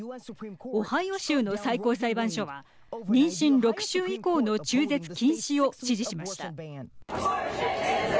オハイオ州の最高裁判所は妊娠６週以降の中絶禁止を支持しました。